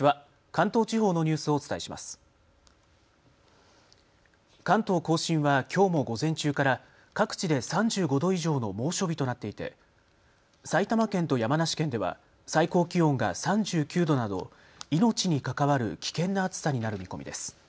関東甲信はきょうも午前中から各地で３５度以上の猛暑日となっていて埼玉県と山梨県では最高気温が３９度など命に関わる危険な暑さになる見込みです。